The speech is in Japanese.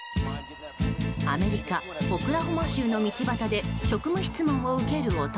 アメリカ・オクラホマ州の道端で職務質問を受ける男。